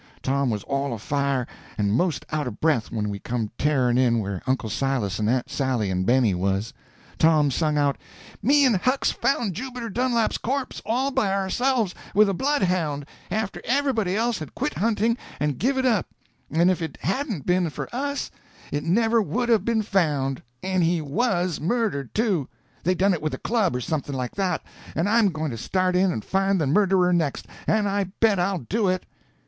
Tom was all afire and 'most out of breath when we come tearing in where Uncle Silas and Aunt Sally and Benny was. Tom sung out: "Me and Huck's found Jubiter Dunlap's corpse all by ourselves with a bloodhound, after everybody else had quit hunting and given it up; and if it hadn't a been for us it never would 'a' been found; and he was murdered too—they done it with a club or something like that; and I'm going to start in and find the murderer, next, and I bet I'll do it!"